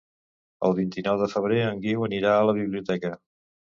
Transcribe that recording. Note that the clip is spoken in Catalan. El vint-i-nou de febrer en Guiu anirà a la biblioteca.